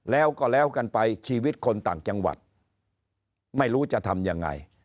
แล้วก็แล้วกันไปชีวิตคนต่างจังหวัดไม่รู้จะทำยังไง